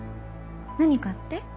何かって？